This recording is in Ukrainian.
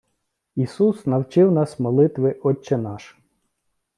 Ісус навчив нас молитви Отче наш.